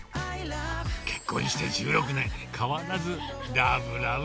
結婚して１６年、変わらずラブラブ。